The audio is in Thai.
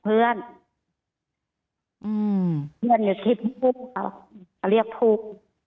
เพื่อนอยู่ที่พุกเขาเรียกพุก